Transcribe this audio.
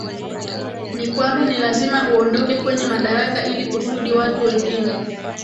ni kwamba ni lazima uondoke kwenye madaraka ili kusudi watu wengine